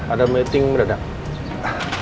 ada meeting gedakan